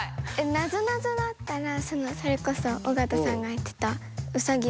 なぞなぞだったらそれこそ尾形さんが言ってた確かに！